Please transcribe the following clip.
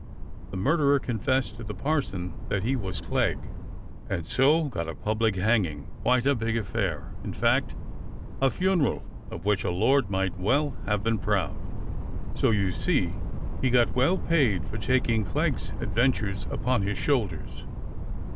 The murderer confessed to the parson that he was Clegg, and so got a public hanging, quite a big affair, in fact, a funeral of which a lord might well have been proud. So you see he got well paid for taking Clegg's adventures upon his shoulders.